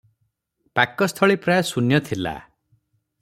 ପାକସ୍ଥଳୀ ପ୍ରାୟ ଶୂନ୍ୟ ଥିଲା ।